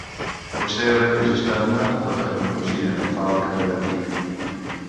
Potser haurem d'ajustar-ne la terminologia —fa el catedràtic—.